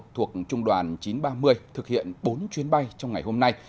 một trăm bảy mươi một thuộc trung đoàn chín trăm ba mươi thực hiện bốn chuyến bay trong ngày hôm nay